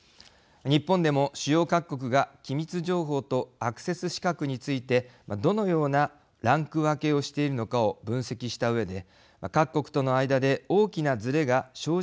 日本でも主要各国が機密情報とアクセス資格についてどのようなランク分けをしているのかを分析したうえで各国との間で大きなずれが生じないようにする。